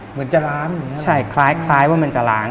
เหมือนจะล้างใช่คล้ายว่ามันจะล้าง